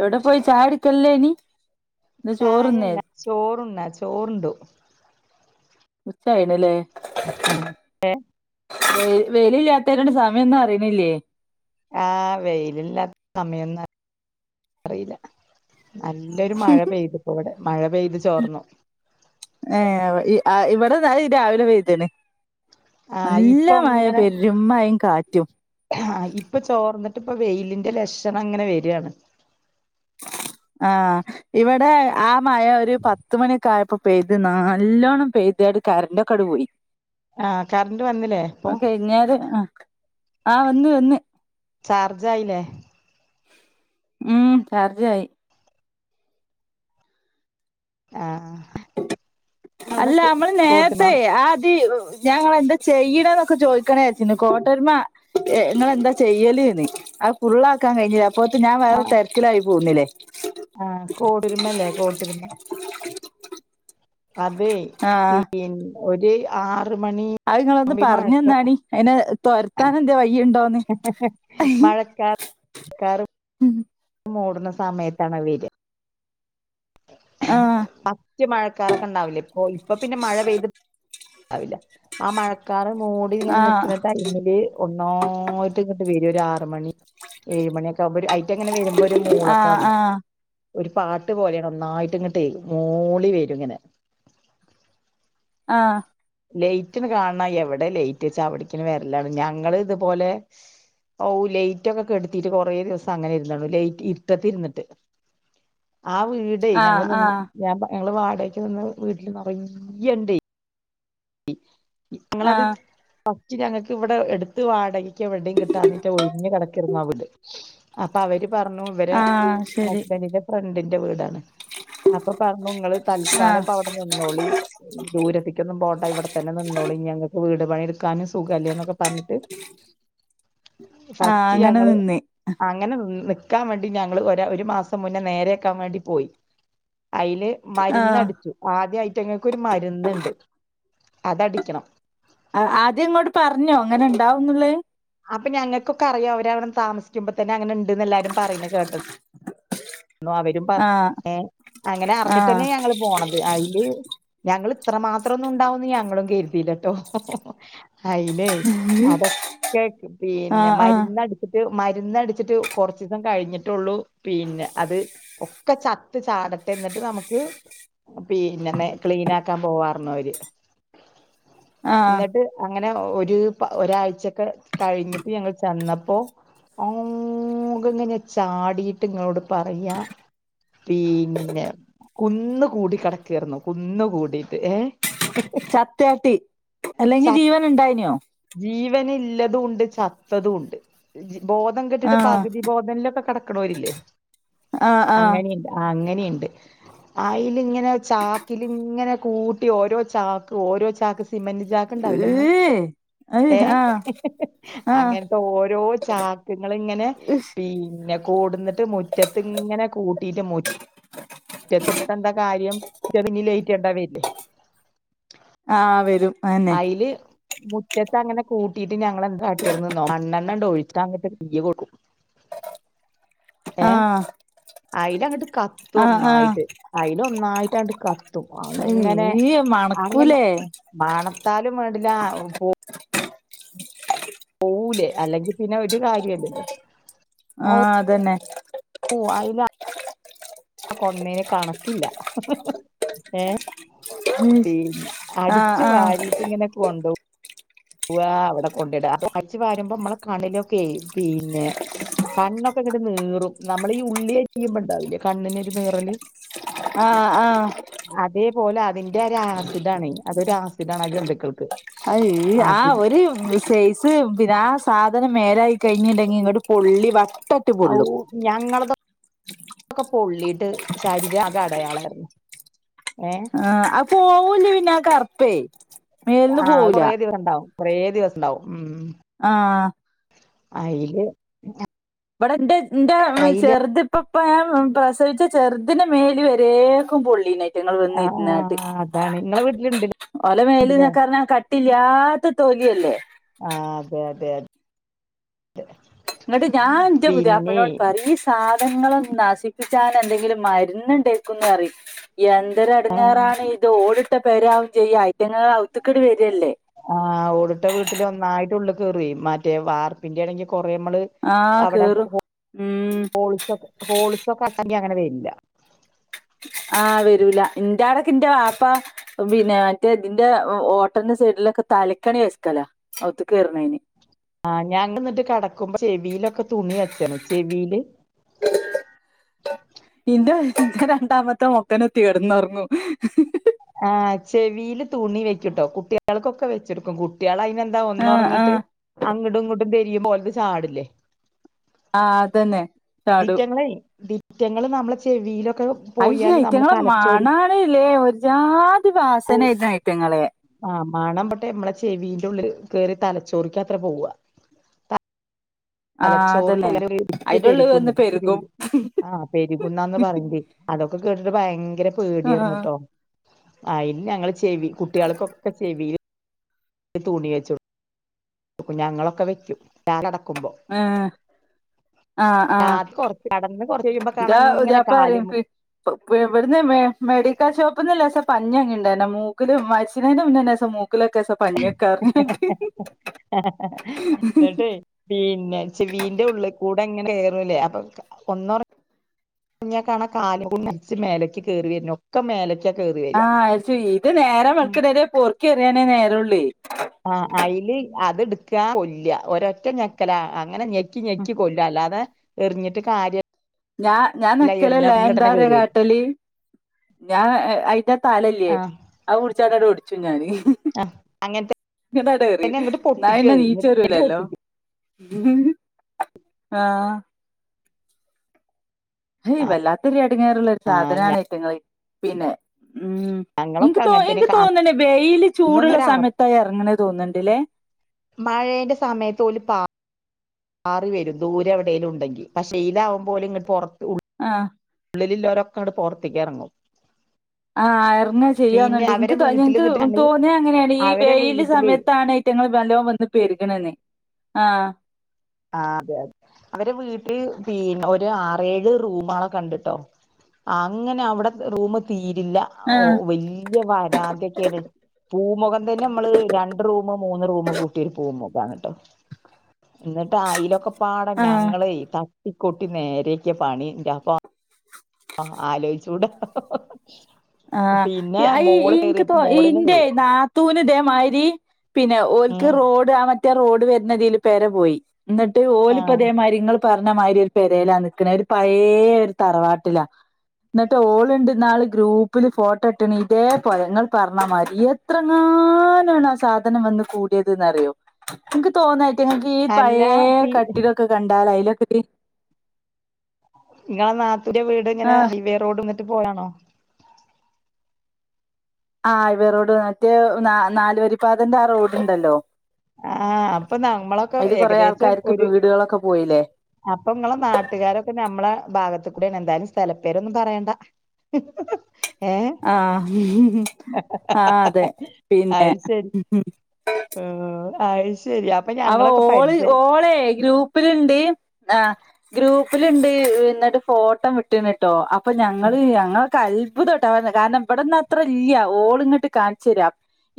എവ്ടെ പോയി ചായകുടിക്കല്ലേനി? ചായല്ല. ചോറുണ്ണാ ചോറുണ്ടു. ഉച്ചായല്ലൊ ലെ ആഹ് ഏഹ് വെയി വെയ്‌ലില്യാത്തരോണ്ട് സമയം ഒന്നും അറിണില്ല്യേ. ആഹ് വെയിലില്ലാത്ത സമയൊന്ന അറീല. നല്ലൊരു മഴ പെയ്ത്പ്പൊ ഇവടെ. മഴ പെയ്ത് ചോർന്നു. ഏഹ് ഇ അ ഇവിടെന്നാ [unintelligible] രാവിലെ പെയ്ത്ണ്. ആ നല്ല ഇപ്പൊ മഴ. പെരും മഴിം, കാറ്റും. ആഹ് ഇപ്പൊ ചോർന്ന്ട്ട് പ്പൊ വെയ്ല്ന്റെ ലക്ഷണം ങ്ങനെ വെരാണ്. ആഹ് ഇവടെ ആ മഴ ഒര് പത്ത്മണി... ക്കായപ്പൊ പെയ്ത്. നാല്ലോണം പെയ്തേട് കര്ൻ്റൊക്കട് പോയി. ആഹ് കർന്റ് വന്നിലെ പ്പൊ? ന്നേരം ആഹ്. ആഹ് വന്ന്, വന്ന്. ചാർജായിലെ? ഉം. ചാർജായി ആഹ് ആഹ് അല്ല അമ്മള് നേരത്തെ ആഹ് തി ഞാ ങ്ങളെ എന്താ ചെയ്യ് ണെന്നൊക്കെ ചോയിക്കണെ യാര്ച്ചിനി. കോട്ടൊര്മ ഏഹ് ങ്ങള് എന്താ ചെയ്യല്ന്ന്. അത് ഫുള്ളാക്കാൻ കഴിഞ്ഞില. അപ്പോത്ത് ഞാ വേറെ തെര്ക്കിലായി പോന്നിലെ. ആഹ് കോടൊരുമല്ലെ. കോട്ടൊരുമ അതേയ് ആഹ് പിന്നെ ഒര് ആറ് മണി അത് ങ്ങളൊന്ന് ആവുമ്പോ ഈ മഴക്ക പർഞ്ഞെന്നാണി. അയിനെ തൊരത്താനെന്തെ വയ്യിണ്ടോന്ന്. ക്കാറ് മൂടുന്ന സമയത്താണ് അത് വെര. ആഹ് ഫസ്റ്റ് മഴക്കാറൊക്കെ ണ്ടാവില്ലെ പ്പൊ ഇപ്പൊ പിന്നെ മഴ പെയ്ത് ആയില്ല. ആ മഴക്കാറ് മൂടി ങ്ങനെ ആഹ് നിക്ക്ണ ടൈമ് ല് ഒന്നായിട്ട് ഇങ്ങട്ട് വരും. ഒരാറ് മണി, ഏഴ് മണിയൊക്കെ ആവ് മ്പൊരു അ.... ച്ചെങ്ങനെ വരുമ്പൊരു ആഹ് മൂളക്കാന്ന്. ആഹ് ഒരു പാട്ട് പോലേണ് ഒന്നായിട്ട് ട്ട്ങ്ങ് ട്ട് മൂളി വരും ങ്ങനെ. ആഹ് ലൈറ്റ്ങ് കാൺണം എവടെ ലൈറ്റ് ച്ചാ അവിട്ക്കിങ് വരലാണ്. ഞങ്ങള് തുപോലെ ഔ ലൈറ്റൊക്കെ കെട്ത്തീട്ട് കൊറേ ദിവസം അങ്ങനെ ഇരുന്നങ്. ലൈറ്റ് ഇര്ട്ടത്ത് ഇര്ന്ന്ട്ട്. ആ വീടെ ആഹ് ഞങ്ങള് ആഹ് നിന്ന് ആഹ് ഞാ പാ ഞങ്ങള് വാടയ്ക്ക് നിന്ന വീട്ട്‌ല് നറയ്യെണ്ടെ. ഇ ഞങ്ങളത് ആഹ് ഫസ്റ്റ് ഞങ്ങൾക്ക് ഇവിടെ എടുത്ത് വാടകയ്ക്ക് എവിടെയും കിട്ടാന്നിട്ട് ഒഴിഞ്ഞ് കിടക്കേന്നു ആവീട് അപ്പൊ അവര് പറഞ്ഞു ഇവരെ ആഹ് ശരി ഹസ്ബന്റിൻ്റെ ഫ്രണ്ടിന്റെ വീടാണ് അപ്പൊ പറഞ്ഞു നിങ്ങള് ആഹ് തൽക്കാലംഇപ്പൊ അവിടെ നിന്നോളിം ദൂരത്തേക്കൊന്നും പോണ്ട ആഹ് ഇവിടെത്തന്നെ നിന്നോളിം ഞങ്ങക്ക് വീട് പണി ക്കാനും സുഖല്ലേ എന്നൊക്കെ പറഞ്ഞിട്ട് ആഹ് ഫസ്റ്റ് അങ്ങനെ ഞങ്ങള് നിന്ന് അങ്ങനെ നിക്കാൻ വേണ്ടി ഞങ്ങള് ഒരു മാസം മുന്നേ നേരെയാക്കാൻ വേണ്ടി പോയി അതില് മര്ന്ന് ആഹ് അടിച്ചു ആദ്യം അയിറ്റങ്ങക്ക് ഒരു മരുന്ന്ണ്ട് അത് അടിക്കണം ആഹ് ആദ്യം ഇങ്ങളോട് പറഞ്ഞോ ഇങ്ങനെ ഉണ്ടാവുന്നുള്ളേ അപ്പൊ ഞങ്ങക്കൊക്കെ അറിയാം അവര്അവടെ താമസിക്കുമ്പോ തന്നെ അങ്ങനെ ഉണ്ട്ന്ന് എല്ലാരും പറയണ് കേട്ടുണ് അവരും പറ ആഹ് ഏഹ് അങ്ങനെ ആഹ് അറിഞ്ഞിട്ടന്നെ ഞങ്ങള് പോണത് അയില് ഞങ്ങള് ഇത്ര മാത്രം ഒന്നും ഉണ്ടാവുന്ന് ഞങ്ങളും കരുതില്ലട്ടോ അയില് അതൊക്കെ പിന്നെ ആഹ് ആഹ് മര്ന്ന് മര്ന്ന് അടിച്ചിട്ട് കൊറച്ച് ദിവസം കഴിഞ്ഞിട്ടുള്ളു പിന്നെ അത് ഒക്കെ ചത്ത് ചാടട്ടെ എന്നിട്ട് നമുക്ക് പിന്നെ ക്ലീൻ ആക്കാൻ പോവാറന്നു അവര് ആഹ് എന്നിട്ട് അങ്ങനെ ഒരു ഒരാഴ്ചൊക്കെ കഴിഞ്ഞിട്ട് ഞങ്ങൾ ചെന്നപ്പോ [unintelligible] ഇങ്ങനെ ചാടിട്ട് ഇങ്ങളോട് പറയാ പിന്നെ കുന്ന് കൂടി കിടക്കാറുന്നു കുന്ന് കൂടിയിട്ട് ഏഹ് ചത്താട്ടി അല്ലെങ്കി ച ജീവന് ഉണ്ടായിനോ ജീവന് ഇല്ലതുണ്ട് ചത്തതുണ്ട് ബോധം കെട്ടിട്ട് ആഹ് പകുതി ബോധനിലൊക്കെ കടക്കണോരില്ലേ ആഹ് ആഹ് അങ്ങനീല്ല ആഹ് അങ്ങനീണ്ട് അയ്ലിങ്ങനെ ചാക്കിലിങ്ങനെ കൂട്ടി ഓരോ ചാക്ക് ഓരോ ചാക്ക് സിമെന്റ് ചാക്കുണ്ടാവില്ലേ ഏ നമ്മളെ അയ് ഏഹ് ആഹ് ആഹ് അങ്ങനത്തെ ഓരോ ചാക്കുകള്ങ്ങനെ പിന്നെ കൊടുന്ന് മുറ്റത്ത് ഇങ്ങനെ കൂട്ടിയിട്ട് മുറ്റത്തിട്ടിട്ട് എന്താ കാര്യം ചെ [unintelligible] എണ്ടാവില്ലേ ആ വെരും അയ്ല് മുറ്റത്ത് അങ്ങനെ കൂട്ടീട്ട് ഞങ്ങൾ എന്താ കാട്ടിർന്ന്ന്നോ മണ്ണെണ്ണ ആണ്ട് ഒഴിച്ചങ്ങട്ട് തീയ് കൊടുക്കും [inaudible] ഏഹ് ആഹ് അയ്‌ല് അങ്ങട്ട് കത്തും ആഹ് ആഹ് ഒന്നായിട്ട് അതിൽ ഒന്നായിട്ട് അങ്ങട്ട് ക ത്തും അങ്ങനെ അയ്യ് അങ്ങനെ മണക്കൂലേ മണത്താലും വേണ്ടില പോ പോവൂലെ അല്ലെങ്കിൽ പിന്നെ ഒരു കാര്യംല്ലല്ലോ ആഹ് അതന്നെ ഓഹ് അയില കൊന്നേന് കണക്കില്ല ഏ ഉം പിന്നെ ആഹ് അടിച്ചു ആഹ് വാരിട്ട് ഇങ്ങനെ കൊണ്ടോവും വാ അവിടെ കൊണ്ടിട അടിച്ച് വാരുമ്പോ നമ്മളെ കണ്ണിലൊക്കെ പിന്നെ കണ്ണൊക്കെ ഇങ്ങട്ട് നീറും നമ്മള് ഈ ഉള്ളിയരീമ്പോ ഉണ്ടാവില്ലേ കണ്ണിനൊരു നീറല് ആഹ് ആഹ് അതേപോലെ അതിന്റെ ഒരാസിഡാണെ അതൊരു ആസിഡാണാ ജന്തുക്കൾക്ക് അത് അത് ആഹ് ഒരു ര് സൈസ് പിന്നെ ആ സാധനം മേലായി കഴിഞ്ഞിണ്ടെങ്കി ഇങ്ങട്ട് പൊള്ളി വട്ട ഔ ഞങ്ങളതൊക്കെ പൊള്ളിട്ട് ശരീരം ആകെ അടയാളായ്രുന്നു ആ അത് പോവൂല പിന്ന ആ കറുപ്പേ മേൽന്ന് ആഹ് പോവൂല കൊറേ ദിവസംണ്ടാവും കൊറേ ദിവസം ഇണ്ടാവും ഉം ആഹ് അയില് ഇവടെ ഇന്റെ ഇന്റ അയില് ചെർത് ഇപ്പ ഇപ്പ ഞാ പ്രസവിച്ച ചെർതിന് മേല് വരേക്കും പൊള്ളീ ണ് റ്റങ്ങൾ വന്ന് ആ ഇര്ന്നാട്ട് അതാണ് നിങ്ങളെ വീട്ടിലുണ്ട് ഓലെ ണ്ടല്ലേ മേല്ന്നക്കർഞ്ഞാ കട്ടില്ലാത്ത തൊലിയല്ലേ. ആഹ് അതെ അതെ അതെ ഇന്നട്ട് ഞാൻന്റെ പുതിയാപ്പൾ പിന്നെ നോട് പറയും ഈ സാധങ്ങളെ നശിപ്പിച്ചാൻ എന്തെങ്കിലും മര്ന്ന്ണ്ടെ ക്കുംന്നറയും ആ എന്തൊരെടങ്ങാറാണ് ഇത് ഓടി ടട്ടെ പെരെ ആകും ചെയ്യാ അയ്റ്റങ്ങൾ ഔത്ത്ക്ക്‌ട് വരല്ലേ ആ ഓട് ട്ട വീട്ടിൽ ഒന്നായിട്ട് ഉള്ള് കേറുവെ ഏഹ് മറ്റേ വാർപ്പിന്റെണെങ്കി കൊറേ അമ്മള് ആ അവടെ കേറും ഹോ ഉം ഹോൾസൊക്കെ അടച്ചെങ്കി അങ്ങനെ വരൂല ആഹ് വരൂല ഇന്റെ ആടെക്കെന്റെ വാപ്പ പിന്നെ മറ്റേ ഇതിന്റെ ഓട്ടന്റെ സൈഡിലൊക്കെ തലക്കണി വെക്കലാ ഒഔത്ത്ക്ക് ക്കെർണീന് ആഹ് ഞാന് ഇന്നട്ട് കടക്കുമ്പോ ചെവീലൊക്കെ തുണി വെച്ചണ് ചെവീല് ഇന്റെ രണ്ടാമത്തെ മൊക്കന്നെ തീർന്നൊറങ്ങും ആഹ് ചെവില് തൂണി വെക്കുട്ടോ കുട്ടിയാൾക്കൊക്കെ വെച്ചൊടുക്കും കുട്ടിയാള പിന്ന എന്താ ഒന്ന് ആഹ് ഒറങ്ങീട്ട് ആഹ് അങ്ങട്ടും ഇങ്ങട്ടും തെരിയുമ്പോ ഓലത് ചാടില്ലേ ആഹ് തന്നെ ഇതീറ്റങ്ങളെ ദിറ്റങ്ങള് നമ്മളെ ചെവിയിലൊക്കെ അയ്യേ പോയാല് നമ്മളെ ഇറ്റങ്ങളെ തലച്ചോറി മണാണ്ലെ ഒര്ജാതി വാസനേണ് ഐറ്റങ്ങളെ ആഹ് മണം പോട്ടെ നമ്മളെ ചെവിന്റെ ഉള്ളില് കേറി തലച്ചോറിക്ക്യത്രെ പോക ആഹ് തലച്ചോറിൽ അതന്നെ ഇങ്ങനെ പെറ്റ് അയിന്റെ ഉള്ളിൽ പ്പെര്ക്കുന്ന് വന്ന് പെറ്റ് പെരുകും പെര്ക്കുന്ന് ആഹ് പെരുകുന്നാന്ന് പറയി അതൊക്കെ കേട്ടിട്ട് ഭയങ്കര ആഹ് പേടിയാർന്ട്ടോ അയിന് ഞങ്ങള് ചെവി കുട്ടിയാൾക്കൊക്ക ചെവില് തുണി വെച്ചൊട്ക്കും ഞങ്ങളൊക്കെ വെക്കും ഞാൻ നടക്കുമ്പോ ആഹ് ആഹ് ആഹ് നാർത്ത ഒർക് കടന്ന് ക്കൊറച്ച് ചയിമ്പൊകാണ ഇന്റെ ഇങ്ങനെ പുതിയാപ്പള കാലു പറയും ഇവിടുന്ന് മെഡിക്കൽ ഷോപ്പ്ന്ന് ലേസം പഞ്ഞി വാങ്ങിണ്ടായിനു മൂക്കിലും മരിച്ച്ണന്റെ മുന്നേ ലേസം മൂക് മൂക്കിൽ ഒക്കേസം ഇന്നട്ടേയ് പിന്നെ ച്ചെവീന്റെ ഉള്ള്കൂടെ ഇങ്ങനെ കേറൂലേ അപ്പൊ ഒന്ന് ഒറ റങ്ങിയാ കാണാ കാലൂമേരിച്ച് മേലക്ക് കേറി വര്ന് ഒക്കെ മേലെ ആ ആഹ് ശരി ഇത് നേരം വെളുക്ക്ണ വരെ പൊർക്കി എറിയാനേ നേരൊള്ളെയി ആഹ് അയിൽ അത് ഇട്ക്കാ കൊല്ല ഒരറ്റ ഞക്കല അങ്ങനെ ഞെ ക്കി ഞെക്കി കൊല്ലും അല്ലാതെ എറിഞ്ഞിട്ട് കാര്യല്ല. ഞാൻ ഞാൻ നെക്കലല്ല ഞാൻ എന്താറിയോ കേറിയത് കാട്ടല് ഞാൻ അയിന്റെ ആ തലല്ലേ ആഹ് അത് പുടിച്ച് കാണ്ട് ഒടിച്ചും ഞാന് ആഹ് അങ്ങനത്തെ ഇന്നട്ട് ആട് എറിയും തന്നെ അങ്ങോട്ട് ഇന്നാ പൊട്ടിക്കും പിന്നെ അത് നീച്ച് എന്നിട്ട് വരൂലല്ലോ. പൊട്ടിക്കും ഹ് ഹ് ആഹ് ഹയ് വല്ലാത്തൊരു എടങ്ങേറ്ള്ളെ ഒരു ആ സാധനാണ് അയ്റ്റങ്ങള് പിന്നെ ഉം ഇൻക്ക് ഞങ്ങളൊക്കെ അങ്ങനെ തന്നെ ഇൻക് തോന്ന്ണ് വൈല് ചൂടുള്ള അന്നൊന്നൊരു അറ സമയത്താ എറങ്ങണ തോന്ന്ണ്ട്ലേ മഴേന്റെ സമയത്ത് ഓല് പാ പാറി വരും ദൂരെ എവിടേലുഉണ്ടെങ്കി പക്ഷെ വെയിൽ ആകുമ്പോ ഇങ്ങ പൊറ ആഹ് ഉള്ളില്ല്ലോരൊക്കങ്ങട പോർത്ത് കേറങ്ങും ആഹ് അറങ്ങും പിന്നെ ചെയ്യന്ന്ണ്ട് ഇൻക്ക് അവരെ തോന്നി വീട്ടിൽ ഇന്ക് നിന്നിട്ട് ഞങ്ങള് തോന്നിയ അങ്ങനെണ് ഈ അവരെ വെയില് സമയത്താണ് വീട്ടിലേ സമയത്താണ് ഇതയ്റ്റങ്ങൾ നല്ലോം വന്ന് പേരുകണന്ന് ആഹ് ആഹ് അതെ അതെ ഇവരെ വീട്ടിൽ പി ഒരു ആറേഴ് റൂമളൊഒക്കെണ്ട് ട്ടോ അങ്ങനെ അവിടെ റൂമ് തീരില്ല ആഹ് ഓഹ് വല്യാ വരാന്തൊക്കെണ് പൂമുഖം തന്നെ നമ്മള് രണ്ട് റൂമ് മൂന്ന് റൂമ് കൂട്ടിയ ഒരു പൂമുഖാണ് ട്ടോ ഇന്നിട്ട് അയിലൊക്ക പാട ആഹ് ഞങ്ങളെ തട്ടിക്കൊട്ടി നേരക്കിയ പണിന്റെ പൊ ആഹ് ആലോയിച്ചുടാ ഹ് ഹ് ഹ് ആഹ് ആ ഈ ഇനിക്ക് തോ മോളില് ഇന്റെ നാത്തൂ തൂന് ഇതേ മായിരി പിന്നെ ഓൽക്ക് ഉം റോഡ് ആഹ് മറ്റേ റോഡ് വരുന്നതിൽ പേര പോയി ന്നിട്ട് ആഹ് ഓല്പ്പതേമായിരിങ്ങൾ പറഞ്ഞ മായിരി ഒരു പേരെല നിക്ക്ണെ ഒര് പയേ ഒര് തറവാട്ടിലാ ന്നിട്ട് ഓള്ണ്ട് ന്നാള് ഗ്രൂ ഗ്രൂപ്പില് ഫോട്ടോ ഇട്ട്ണ് ഇതേ പോലെ ങ്ങള് പറഞ്ഞമായിരി എത്രങ്ങാനുആണ് സാധനം വന്ന് കൂടി ത് അറിയോ ഇൻക്ക് തോന്നാ അയിറ്റിങ്ങക്ക് ഈ അല്ല പയെ പി കട്ടിലൊക്കെ കണ്ടാല് അയിലൊക്കെ ങ്ങളെ നാത്തൂന്റെ വീട് ഇങ്ങനെ ആഹ് ഹൈവേ റോഡ് ന്നിട്ട് പോലാണോ ആഹ് ഹൈവേ റോഡ് മറ്റേ നാലുവരിപ്പാതന്റെ ആഹ് റോഡ് ണ്ടല്ലോ ആഹ് അപ്പൊ നമ്മളൊക്കെ കൊറേ ഏകദേശം ആൾക്കാർക്ക് ഇപ്പ ഒര് വീടുകളൊക്കെ പോയില്ലേ അപ്പൊ ങ്ങളെ നാട്ടുകാരൊക്കെ നമ്മളെ ഭാഗത്കൂടാണ് ന്തായാലും സ്ഥലപ്പേരൊന്നും പറേണ്ട ഹി ഹ് ഹ് ആഹ് ഹ് ആ അതെ പിന്നെ ഓ അഹ്ശരി അവ ഓള് ഓളെ ഗ്രൂ പ്പില്ണ്ട് ആ ഗ്രൂപ്പില്ണ്ട് ഇന്നിട്ട് ഫോട്ടം വിട്ട്ണ്ട്ടോ അപ്പൊ ആഹ് ഞങ്ങള് ഞങ്ങൾകെ അത്ഭുതട്ട കാരണം ഇബടെന്ന അത്ര ഇല്ല ഓള്ങ്ങട്ട് കാണിച്ചെരാ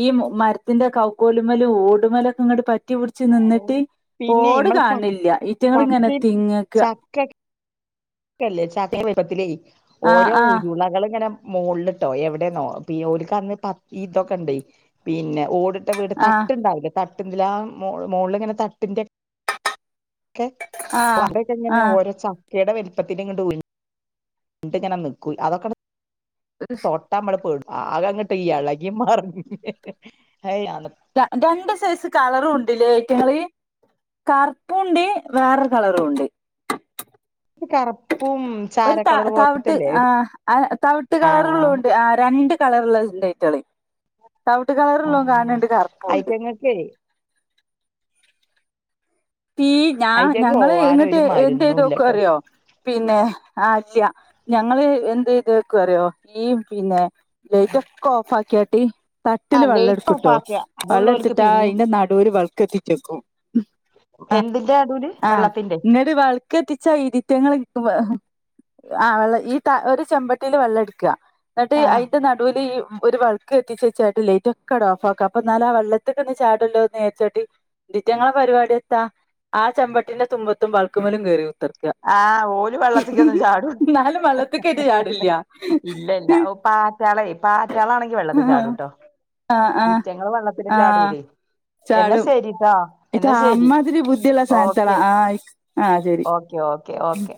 ഈ മരത്തിന്റെ കൗക്കോലുമലും ഓടുമലൊക്കെ ഇങ്ങട് പ റ്റിപിടിച് ഔ നിന്നിട്ട് പിന്നെ ഓട് ഇമ്മളെ ച കാണില്ല ഈറ്റങ്ങൾ ഇങ്ങനെ തിങ്ങക്ക ച ക്ക ക്കല്ലേ വെൽപ്പത്തിലേ ആഹ് ഓരോ ആഹ് ഉരുളകള്ങ്ങനെ മോളില് ട്ടോ എവിടെന്നോ പി ഓൽകന്ന് പ ഇതൊക്കെണ്ടയ് പിന്നെ ഓട് ട്ട വീട് ആഹ് തട്ട്ണ്ടാവില്ലെ തട്ട്മല ആ മോൾ മോളിലിങ്ങനെ തട്ടിന്റെ ക്കെ ആഹ് [unintelligible] ആഹ് ഓരോ ചക്കയുടെ വലുപ്പത്തിങ്ങട്ട് ണ്ട് ങ്ങനെ നിക്കും അതൊക്കെ ണ്ടാമ്മൾ പെടും ആകെ അങ്ങട്ട് എളകി മറ്ന് അയ് രണ്ട് സൈസ് കളറുണ്ട് ല്ലെ ഈറ്റങ്ങള് കറുപ്പുംഉണ്ട് വേറൊരു കളറും ഉണ്ട് കറപ്പും ഒരുത തവിട്ട് ആ തവിട്ട് ആഹ് കളറ്ള്ളതുണ്ട് ആ രണ്ട് കളർള്ളായിറ്റാളെ തവ്ട്ട് കളർള്ളല്ലതുകാണ് ണ്ട് കറുപ്പും ഉണ്ട് ശരി തീ ഞാൻ ഐറ്റങ്ങക്ക് ഞങ്ങള് പോവാന് ഇങ്ങട്ട് ഒരു മരുന്നും എന്തയ്തൊക്കും ഇല്ലട്ടോ അറിയോ പിന്നെ ആറ്റ ഞങ്ങള് എന്ത്യ്തക്ക റിയോ ഈ പിന്നെ ലേറ്റ് ഒക്കെ ഓഫ് ആക്കിയാണ്ട് തട്ടില് ആഹ് വെള്ളം ലൈറ്റ് ഓഫ് എടുക്കുട്ടോ ആക്കുക അതൊള്ളൂ വെള്ളം ഓൽക്ക് എടുത്തിട്ടാ പിന്നിം അയ്ന്റെ നട് ടുൽ വെളക്കത്തിച്ചക്കും അ എന്തിന്റെ നടൂല് അ വെള്ളത്തിന്റെ ങ്ങട് വൾ ക്കത്തിച്ച ഇതിറ്റങ്ങൾ്പ ആ വെള്ള ഈ ഒരു ചെമ്പട്ടിൽ വെള്ളം എട്ക്ക ന്നട്ട് ആഹ് അയ്ന്റെ നടുവിൽ ഈ ഒരു വൾ ക്ക്ത്തിച്ചേച്ചട്ട ലൈറ്റ് ഒക്കട ഓഫ് ആക്ക അപ്പൊന്നാല ആ വെള്ളത്തിക്കന്ന് ചാടല്ലോന്ന് നേരിച്ചാട്ട് ഇതിറ്റിയങ്ങളെ പരിപാടി എത്താ ആ ചമ്പട്ടിന്റെ തുമ്പത്തും ബൾക്കുമലും കയറി ത്ർക്ക ആഹ് ഓല് വെള്ളത്തിക്കൊന്നും ചാടൂ ന്നാലും വള്ളത്ക്കേറ്റ ചാടുല്ല ഇല്ലല്ല ഓ പാറ്റാളയ് പാറ്റാള ആണെങ്കി വെള്ളത്തിൽ ചാടു ട്ടോ ആ ആ ഇറ്റങ്ങൾ വള്ളത്തിലും ആ ചാടൂലേ എന്നാ ചാടും ശരിട്ടാ ഇറ്റ അമ്മാതിരി ബുദ്ധില്ലാ സൻതളാ ആ ആ ശരി ഓക്കെ ഓക്കെ ഓക്കെ